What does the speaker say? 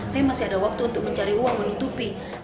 saya masih ada waktu untuk mencari uang menutupi